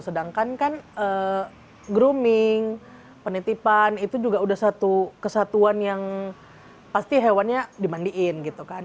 sedangkan kan grooming penitipan itu juga udah satu kesatuan yang pasti hewannya dimandiin gitu kan